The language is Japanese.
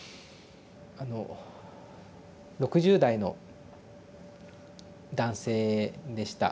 あの６０代の男性でした。